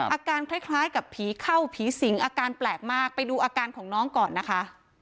อาการคล้ายกับผีเข้าผีสิงอาการแปลกมากไปดูอาการของน้องก่อนนะคะ